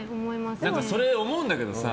それ思うんだけどさ